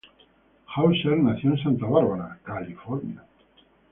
Hauser nació en Santa Bárbara, California.